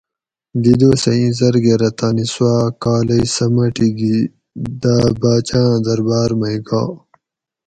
دی دوسہ اِیں زرگرہ تانی سوا کالئی سمٹی گی داۤ باچاۤں درباۤر مئی گا